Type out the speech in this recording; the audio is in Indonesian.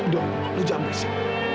nung lo jangan berisik